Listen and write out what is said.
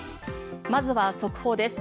まずは速報です。